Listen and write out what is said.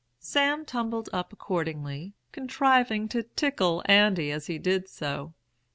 "Sam tumbled up accordingly, contriving to tickle Andy as he did so.